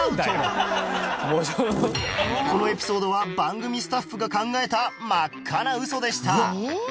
このエピソードは番組スタッフが考えた真っ赤なウソでした